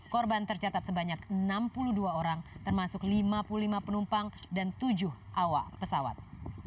korban tercatat sebanyak enam puluh dua orang termasuk lima puluh lima penumpang dan tujuh awak pesawat